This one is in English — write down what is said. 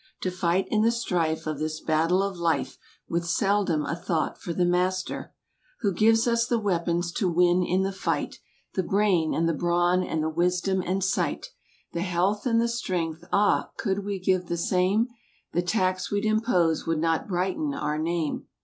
To fight in the strife of this Battle of Life, With seldom a thought for the Master Who gives us the weapons to win in the fight: 192 The brain and the brawn and the wisdom and sight ; The health and the strength—Ah! could we give the same The tax we'd impose would not brighten our name!